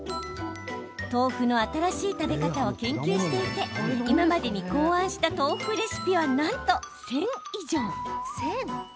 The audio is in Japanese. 豆腐の新しい食べ方を研究していて今までに考案した豆腐レシピはなんと１０００以上。